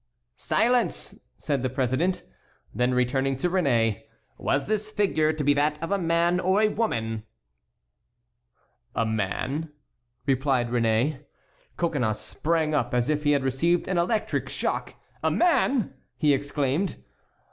"Silence!" said the president; then turning to Réné, "was this figure to be that of a man or a woman?" "A man," replied Réné. Coconnas sprang up as if he had received an electric shock. "A man!" he exclaimed.